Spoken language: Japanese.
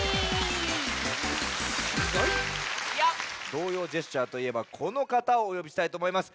「童謡ジェスチャー」といえばこのかたをおよびしたいとおもいます。